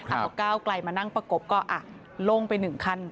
เอาก้าวไกลมานั่งประกบก็ลงไป๑ขั้น